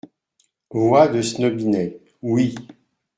Voix de Snobinet. — Oui…